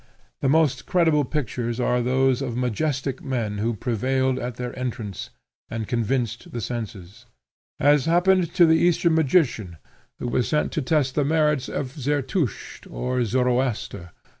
The most credible pictures are those of majestic men who prevailed at their entrance, and convinced the senses; as happened to the eastern magian who was sent to test the merits of Zertusht or Zoroaster.